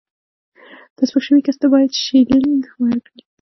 د سپک شوي کس ته باید شیلینګ ورکړي.